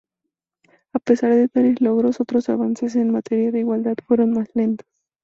A pesar de tales logros otros avances en materia de igualdad fueron más lentos.